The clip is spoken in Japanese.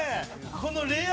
このレア！